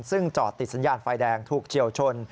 ซึ่งจอดติดสัญญาณไฟแดงถูกเฉียวชน